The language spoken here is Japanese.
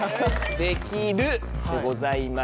「できる」でございます。